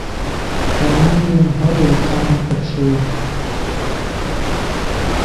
تے من ین ہاول کام پݯ ای